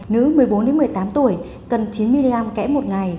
nữ một mươi bốn một mươi tám tuổi cần chín mg kẽ một ngày